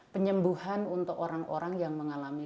penyembuhan untuk orang orang yang mengalami